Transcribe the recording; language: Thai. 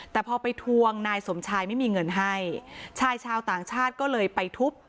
แต่พอไปทวงนายสมชายไม่มีเงินให้ชายชาวต่างชาติก็เลยไปทุบ